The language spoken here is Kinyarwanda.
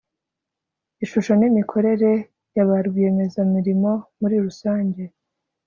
ishusho n imikorere ya ba rwiyemezamirimo muri rusange